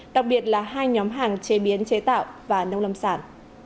đặc biệt là hai nhóm hàng chế biến chế tạo và nông lâm sản